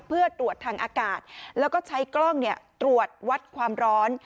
เพื่อตรวจทางอากาศแล้วก็ใช้กล้องตรวจวัดความร้อน